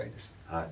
はい。